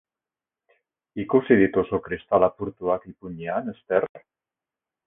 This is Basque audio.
Ikusi dituzu kristal apurtuak ipuinean, Eszter?